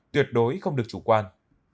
tuyệt đối không được chủ quan